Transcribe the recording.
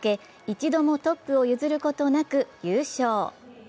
一度もトップを譲ることなく優勝。